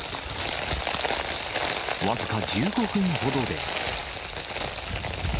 僅か１５分ほどで。